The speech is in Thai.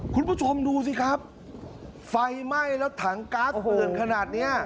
คุณผู้ชมดูสิครับไฟไหม้แล้วถังก๊าซเถื่อนขนาดเนี้ย